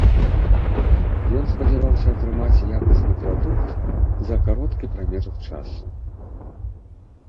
Ён спадзяваўся атрымаць якасны прадукт за кароткі прамежак часу.